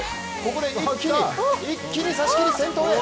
ここで一気に差し切り先頭へ！